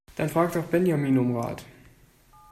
Dann fragt doch Benjamin um Rat!